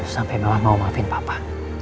sampai malah mau maafin papa